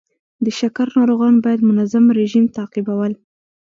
د شکر ناروغان باید منظم رژیم تعقیبول.